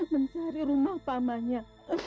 mencari rumah pamahnya